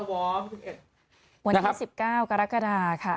วันที่๑๙กรกฎาค่ะ